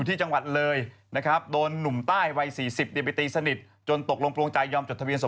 ไปหลอกครูด้วยนะครับ